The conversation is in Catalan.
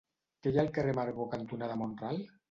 Què hi ha al carrer Amargor cantonada Mont-ral?